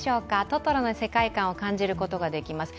トトロの世界観を感じることができます。